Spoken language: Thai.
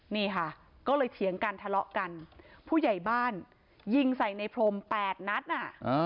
นี่ค่ะก็เลยเถียงกันทะเลาะกันผู้ใหญ่บ้านยิงใส่ในพรมแปดนัดน่ะ